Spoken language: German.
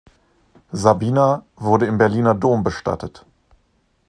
Sabina wurde im Berliner Dom bestattet.